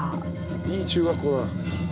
いい中学校だ。